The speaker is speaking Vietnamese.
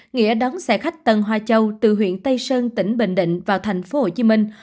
nghĩa đón xe khách tân hoa châu từ huyện tây sơn tỉnh bình định vào thành phố hồ chí minh